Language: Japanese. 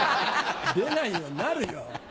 出ないよなるよ。